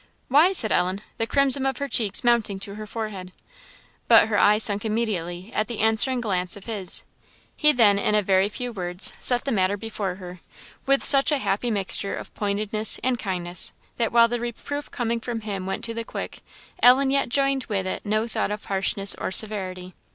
"Why?" said Ellen, the crimson of her cheeks mounting to her forehead. But her eye sunk immediately at the answering glance of his. He then, in a very few words, set the matter before her, with such a happy mixture of pointedness and kindness, that while the reproof coming from him went to the quick, Ellen yet joined with it no thought of harshness or severity.